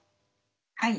はい。